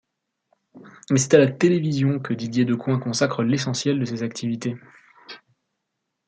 Mais c'est à la télévision que Didier Decoin consacre l'essentiel de ses activités.